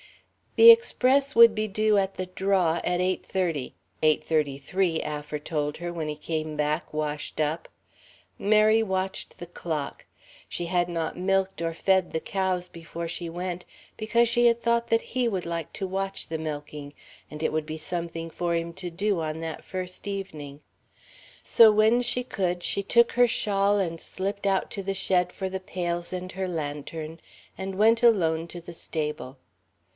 The Express would be due at the "draw" at eight thirty eight thirty three, Affer told her when he came back, "washed up." Mary watched the clock. She had not milked or fed the cows before she went, because she had thought that he would like to watch the milking, and it would be something for him to do on that first evening. So, when she could, she took her shawl and slipped out to the shed for the pails and her lantern, and went alone to the stable.